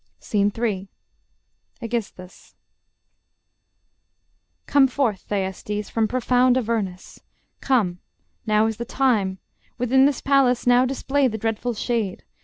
SCENE III AEGISTHUS Aegis. Come forth, Thyestes, from profound Avernus; come, Now is the time; within this palace now Display thy dreadful shade.